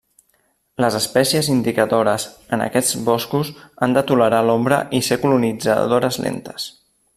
Les espècies indicadores en aquests boscos han de tolerar l'ombra i ser colonitzadores lentes.